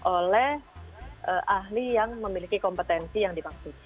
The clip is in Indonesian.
oleh ahli yang memiliki kompetensi yang dimaksud